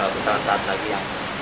pesawat pesawat lagi yang